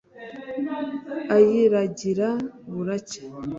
ayiragira buracya